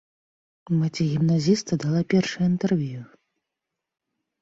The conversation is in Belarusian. Маці гімназіста дала першае інтэрв'ю.